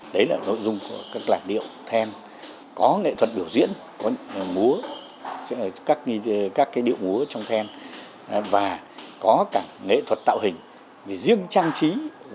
đấy là nội dung của các làn điệu then có nghệ thuật biểu diễn có các cái điệu múa trong then và có cả nghệ thuật tạo hình riêng trang trí